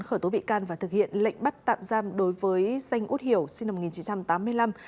khởi tố bị can và thực hiện lệnh bắt tạm giam đối với danh út hiểu sinh năm một nghìn chín trăm tám mươi năm